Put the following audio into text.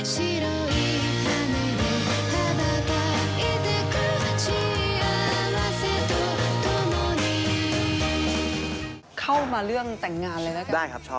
จริงผมคุยกันก่อน